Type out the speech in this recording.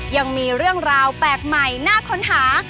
ยังมีเรื่องราวแปลกใหม่น่าค้นหา